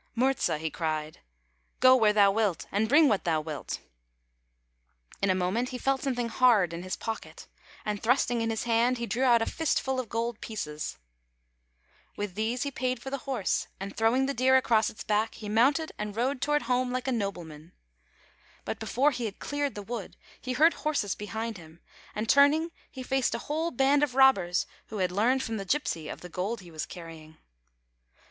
" Murza," he cried, " go where thou wilt, and bring what thou wilt." In a moment he felt something hard in his pocket, and thrusting in his hand, he drew out a fist full of gold pieces. With these he paid for the horse, and [ 158 ] ERIC NO LUCK throwing the deer across its back, he mounted and rode toward home like a noble man. But before he had cleared the wood, he heard horses behind him, and turning he faced a whole band of robbers who had learned from the gypsy of the gold he was carrying.